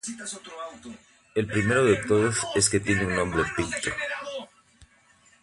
El primero de todos es que tiene un nombre picto.